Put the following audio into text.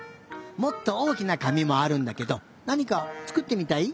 もっとおおきなかみもあるんだけどなにかつくってみたい？